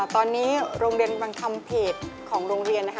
ตอนนี้โรงเรียนบังคัมเพจของโรงเรียน